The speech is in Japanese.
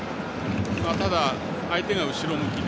ただ、相手が後ろ向きで。